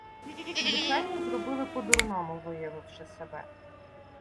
Звичайно, зробили по-дурному, виявивши себе.